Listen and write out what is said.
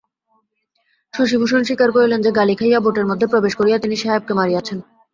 শশিভূষণ স্বীকার করিলেন যে, গালি খাইয়া বোটের মধ্যে প্রবেশ করিয়া তিনি সাহেবকে মারিয়াছেন।